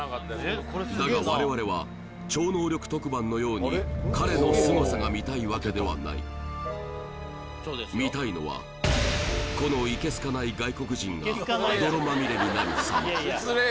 だが我々は超能力特番のように彼のすごさが見たいわけではない見たいのはこのイケ好かない外国人が泥まみれになるさま